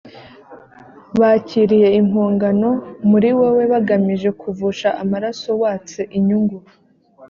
bakiriye impongano muri wowe bagamije kuvusha amaraso watse inyungu